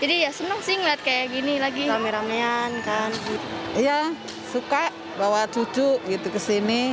iya suka bawa cucu gitu ke sini